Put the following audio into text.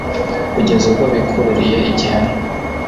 kugeza ubwo bikururiye igihano